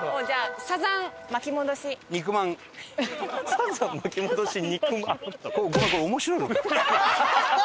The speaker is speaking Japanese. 「サザン」「巻き戻し」「肉まん」。